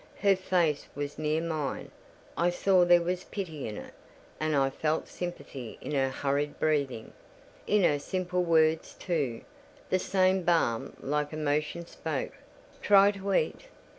Her face was near mine: I saw there was pity in it, and I felt sympathy in her hurried breathing. In her simple words, too, the same balm like emotion spoke: "Try to eat."